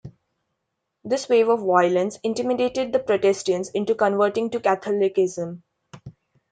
This wave of violence intimidated the Protestants into converting to Catholicism.